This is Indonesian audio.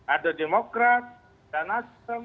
ada demokrat dan asyik